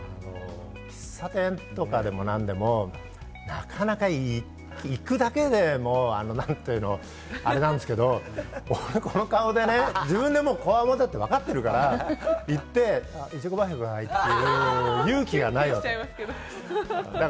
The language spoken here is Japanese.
喫茶店とかでも、何でも、なかなか行くだけでもあれなんですけど、俺、この顔でね、自分もコワモテとわかってるから、行って、いちごパフェくださいって言う勇気がない。